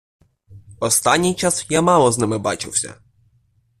Останній час я мало з ними бачився.